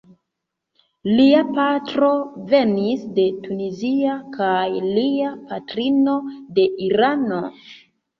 Lia patro venis de Tunizio kaj lia patrino de Irano.